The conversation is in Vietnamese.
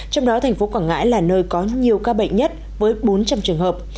trong đó thành phố quảng ngãi là nơi có nhiều ca bệnh nhất với bốn trăm linh trường hợp